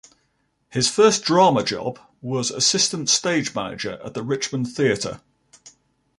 His first drama job was assistant stage manager at the Richmond Theatre.